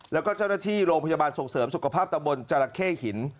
แล้วก็เจ้าหน้าที่โรงพยาบาลส่งเสริมสุขภาพตะบนจาระเข้หิน